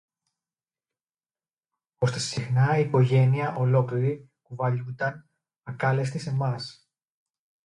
Ώστε συχνά η οικογένεια ολόκληρη κουβαλιούνταν ακάλεστη σε μας